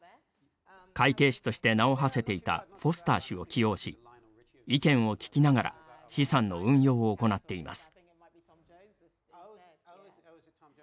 会計士として名をはせていたフォスター氏を起用し意見を聞きながら資産の運用を行っています。